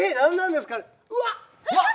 うわっ！